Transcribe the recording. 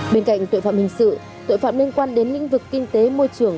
bên cạnh tội phạm hình sự tội phạm liên quan đến lĩnh vực kinh tế môi trường